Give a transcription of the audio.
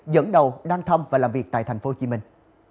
dẫn đầu đăng thăm và làm việc tại thành phố hồ chí minh